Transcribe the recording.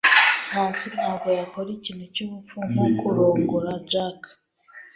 Nancy ntabwo yakora ikintu cyubupfu nko kurongora Jack.